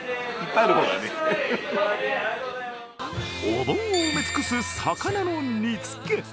お盆を埋め尽くす魚の煮付け。